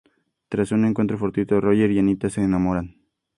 Tras un encuentro fortuito, Roger y Anita se enamoran.